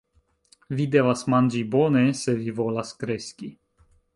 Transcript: Vi devas manĝi bone, se vi volas kreski.